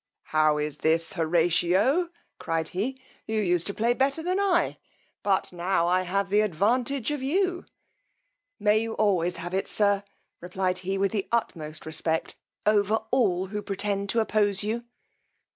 How is this, Horatio, cried he; you used to play better than I, butt now I have the advantage of you. May you always have it, sir, replied he with the utmost respect, over all who pretend to oppose you.